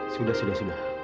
sudah sudah sudah